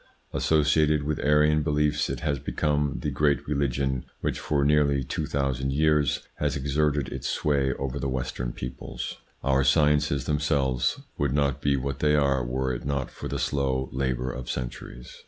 Associated with Aryan beliefs it has become the great religion which for nearly two thousand years has exerted its sway over the Western peoples. Our sciences themselves would not be what they are were it not for the slow labour of centuries.